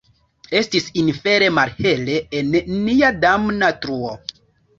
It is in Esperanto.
Estis infere malhele en nia damna truo!